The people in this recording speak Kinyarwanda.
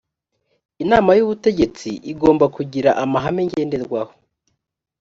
inama y’ubutegetsi igomba kugira amahame ngenderwaho